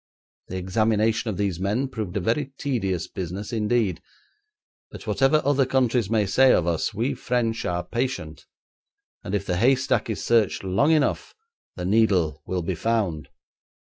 The examination of these men proved a very tedious business indeed, but whatever other countries may say of us, we French are patient, and if the haystack is searched long enough, the needle will be found.